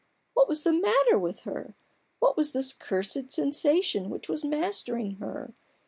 What was the matter with her ? What was this cursed sensation which was mastering her